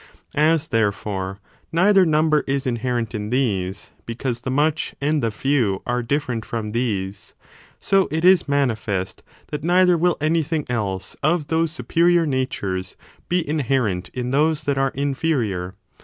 As, therefore, neither number is inherent in these, because the much and the few are different from these, so it is manifest that neither will anything else of those superior natures be inherent in those tiiat are inferior.